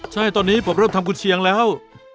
ใช่ตอนนี้ผมเริ่มทำกุญเชียงแล้ว